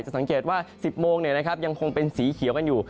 จะสังเกตว่า๑๐โมงเนี่ยนะครับยังคงเป็นสีเขียวกันอยู่